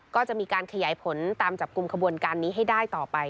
ก็จะมีการขยายผลตามจับกลุ่มขบวนการนี้ให้ได้ต่อไป